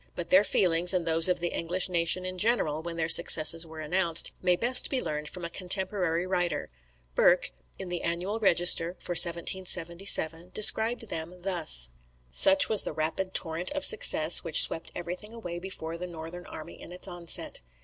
But their feelings, and those of the English nation in general when their successes were announced, may best be learned from a contemporary writer. Burke, in the "Annual Register" for 1777, describes them thus: "Such was the rapid torrent of success, which swept everything away before the northern army in its onset.